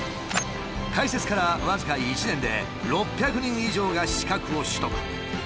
開設から僅か１年で６００人以上が資格を取得。